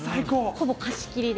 ほぼ貸し切りで。